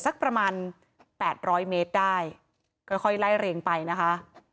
สักประมาณแปดร้อยเมตรได้ค่อยไล่เรียงไปนะคะ